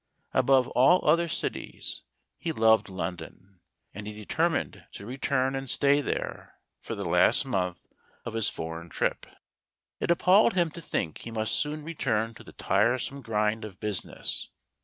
Above all other cities he loved London, and he determined to return and stay there for the last month of his foreign trip. It appalled him to think he must soon return to the tiresome grind of business.